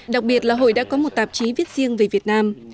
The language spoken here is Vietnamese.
đặc biệt là hội đã có một tạp chí viết riêng về việt nam